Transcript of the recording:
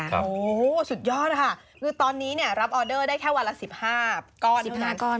โหสุดยอดค่ะคือตอนนี้รับออเดอร์ได้แค่วันละ๑๕ก้อน